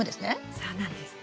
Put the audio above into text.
そうなんです。